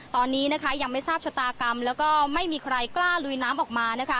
ตอนนี้นะคะยังไม่ทราบชะตากรรมแล้วก็ไม่มีใครกล้าลุยน้ำออกมานะคะ